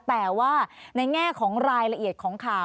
แต่ว่าในแง่ของรายละเอียดของข่าว